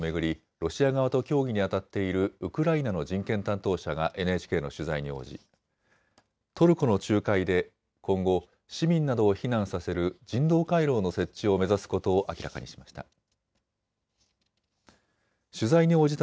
ロシア側と協議にあたっているウクライナの人権担当者がＮＨＫの取材に応じトルコの仲介で今後、市民などを避難させる人道回廊の設置を目指すことを明らかにしました。